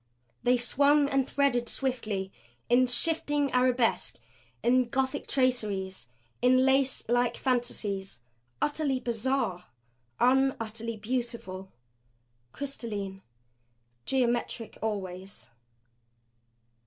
They swung and threaded swiftly, in shifting arabesque, in Gothic traceries, in lace like fantasies; utterly bizarre, unutterably beautiful crystalline, geometric always.